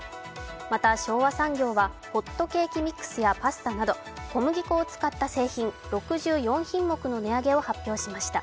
また、昭和産業はホットケーキミックスやパスタなど、小麦粉を使った製品６４品目の値上げを発表しました。